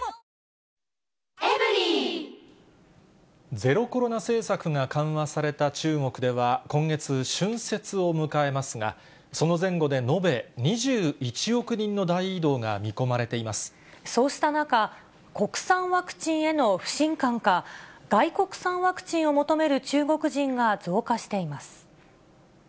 ゼロコロナ政策が緩和された中国では、今月、春節を迎えますが、その前後で延べ２１億人の大移動が見込まれてそうした中、国産ワクチンへの不信感か、外国産ワクチンを求める中国人が増加しています。